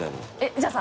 じゃあさ